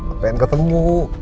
apa yang kau temu